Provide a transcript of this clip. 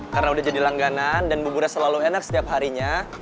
karena udah jadi langganan dan buburnya selalu enak setiap harinya